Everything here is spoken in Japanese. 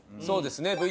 そうですね。